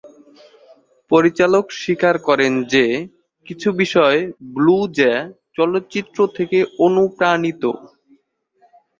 পরিচালক স্বীকার করেন যে, কিছু বিষয় "ব্লু জ্যা" চলচ্চিত্র থেকে অনুপ্রাণিত।